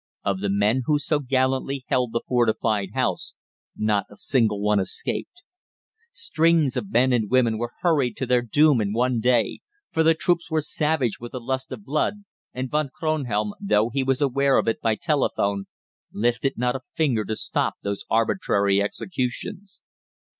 Of the men who so gallantly held the fortified house not a single one escaped. Strings of men and women were hurried to their doom in one day, for the troops were savage with the lust of blood, and Von Kronhelm, though he was aware of it by telephone, lifted not a finger to stop those arbitrary executions.